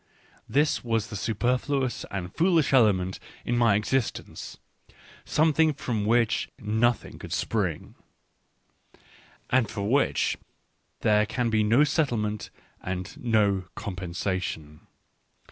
This was the superfluous and foolish element in my existence; something from which nothing could spring, and for which there can be no settlement and no compensation.